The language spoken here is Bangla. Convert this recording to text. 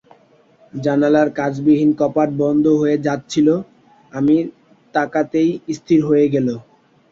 জানালার কাঁচবিহীন কপাট বন্ধ হয়ে যাচ্ছিল, আমি তাকাতেই স্থির হয়ে গেল।